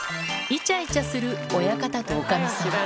いちゃいちゃする親方とおかみさん。